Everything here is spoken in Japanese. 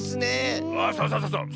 あそうそうそうそう。